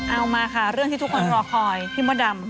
เอามาค่ะเรื่องที่ทุกคนรอคอยพี่มดรรมว่าเป็น